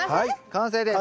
完成です。